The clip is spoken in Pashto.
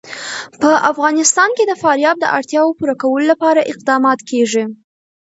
په افغانستان کې د فاریاب د اړتیاوو پوره کولو لپاره اقدامات کېږي.